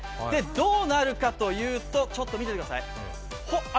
どうなるかというとちょっと見ててください。